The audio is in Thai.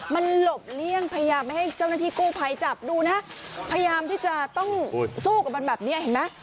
มันหลบเลี่ยงพยายามไม่ให้เจ้าหน้าที่กู้ภัยจับดูนะพยายามที่จะต้องสู้กับมันแบบนี้เห็นไหม